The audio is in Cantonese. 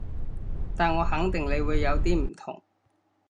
但我肯定你會有啲唔同